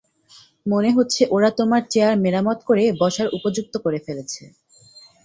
মনে হচ্ছে ওরা তোমার চেয়ার মেরামত করে বসার উপযুক্ত করে ফেলেছে।